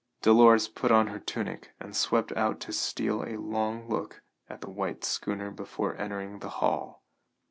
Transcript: Dolores put on her tunic and swept out to steal a long look at the white schooner before entering the hall.